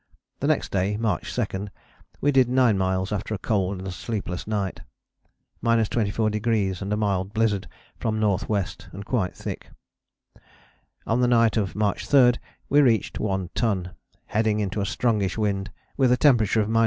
The next day (March 2) we did 9 miles after a cold and sleepless night, 24° and a mild blizzard from N.W. and quite thick. On the night of March 3 we reached One Ton, heading into a strongish wind with a temperature of 24°.